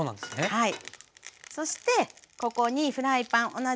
はい。